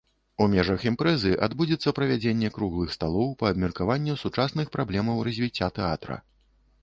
У межах імпрэзы адбудзецца правядзенне круглых сталоў па абмеркаванню сучасных праблемаў развіцця тэатра.